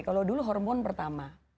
kalau dulu hormon pertama